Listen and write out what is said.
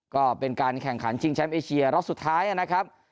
ก็เป็นการแข่งขันชิงแชมป์เอเชียรอบสุดท้ายนะครับ